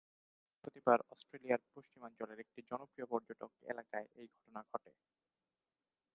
গত বৃহস্পতিবার অস্ট্রেলিয়ার পশ্চিমাঞ্চলের একটি জনপ্রিয় পর্যটক এলাকায় এই ঘটনা ঘটে।